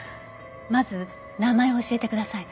まず名前を教えてください。